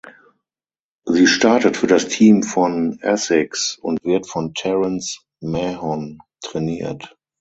Sie startet für das Team von Asics und wird von Terence Mahon trainiert.